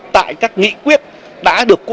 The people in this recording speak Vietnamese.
tại các nghị quyết đã được quốc hội